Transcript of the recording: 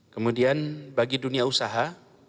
kemudian bagi dunia usaha